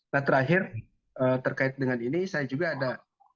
nah terakhir terkait dengan ini saya juga ada